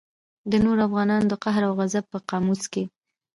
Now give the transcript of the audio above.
د نورو افغانانو د قهر او غضب په قاموس کې.